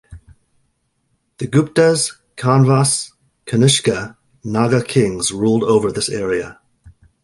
The Guptas, Kanvas, Kanishka, Naga kings ruled over this area.